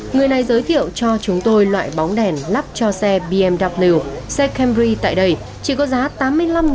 người này giới thiệu cho chúng tôi loại bóng đèn lắp cho xe bmw xe camry tại đây chỉ có giá tám mươi năm đồng